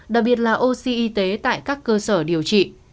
đặc biệt là oxy y tế tại các cơ sở điều trị